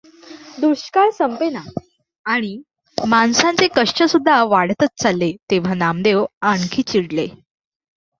दुष्काळ संपेना आणि माणसांचे कष्टसुद्धा वाढतच चालले, तेव्हा नामदेव आणखी चिडले.